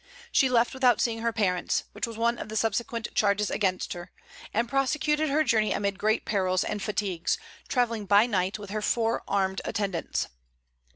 She left without seeing her parents, which was one of the subsequent charges against her, and prosecuted her journey amid great perils and fatigues, travelling by night with her four armed attendants.